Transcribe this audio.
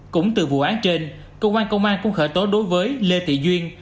cũng từ vụ án trên cơ quan công an cũng khởi tố đối với lê thị duyên